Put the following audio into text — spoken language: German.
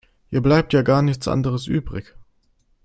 Ihr bleibt ja gar nichts anderes übrig.